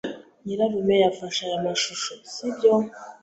Nyirarume yafashe aya mashusho, sibyo?